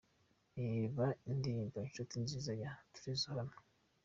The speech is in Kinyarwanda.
Reba indirimbo Incuti Nziza ya Trezzor hano:.